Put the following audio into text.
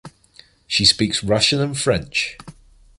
She speaks Russian and French.